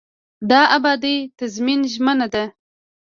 دا ابدي تضمین ژمنه ده.